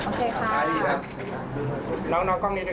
ขอบคุณพี่ด้วยนะครับ